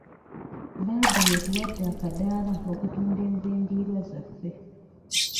Laadiyo etuwadde akadaala okutunda enva endiirwa zaffe.